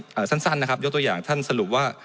ผมยกตัวอย่างสั้นนะครับยกตัวอย่างท่านสรุปว่า